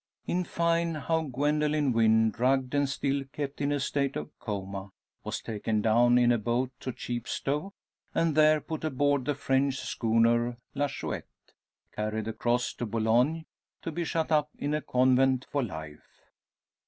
In fine, how Gwendoline Wynn, drugged and still kept in a state of coma, was taken down in a boat to Chepstow, and there put aboard the French schooner La Chouette; carried across to Boulogne, to be shut up in a convent for life!